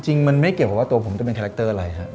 จริงมันไม่เกี่ยวกับว่าตัวผมจะเป็นคาแรคเตอร์อะไรฮะ